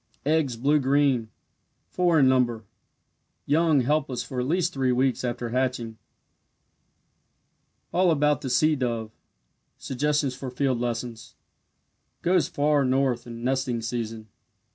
Eggs blue green four in number young helpless for at least three weeks after hatching. ALL ABOUT THE SEA DOVE SUGGESTIONS FOR FIELD LESSONS Goes far north in nesting season.